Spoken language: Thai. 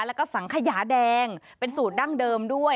แล้วก็สังขยาแดงเป็นสูตรดั้งเดิมด้วย